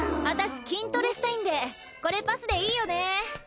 私筋トレしたいんでこれパスでいいよね？